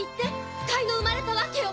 腐海の生まれた訳を！